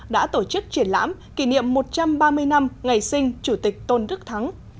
đã tổ chức triển lãm kỷ niệm một trăm ba mươi năm ngày sinh chủ tịch tôn đức thắng